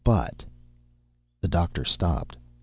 But " The Doctor stopped.